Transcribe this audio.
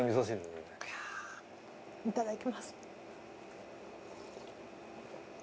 いただきます。